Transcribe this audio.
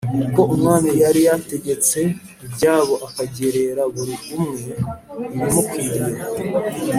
Kuko umwami yari yategetse ibyabo akagerera buri umwe ibimukwiriye